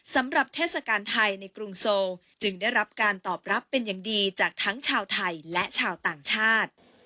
เทศกาลไทยในกรุงโซลจึงได้รับการตอบรับเป็นอย่างดีจากทั้งชาวไทยและชาวต่างชาติ